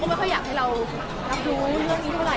ไม่ค่อยอยากให้เรารับรู้เรื่องนี้เท่าไห